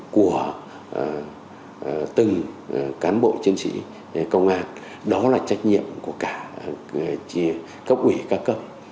của từng cán bộ chiến sĩ công an đó là trách nhiệm của cả cấp ủy các cấp